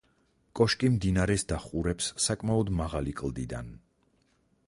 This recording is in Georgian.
კოშკი მდინარეს დაჰყურებს საკმაოდ მაღალი კლდიდან.